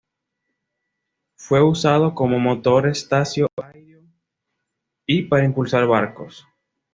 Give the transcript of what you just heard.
Fue usado como motor estacio ario y para impulsar barcos.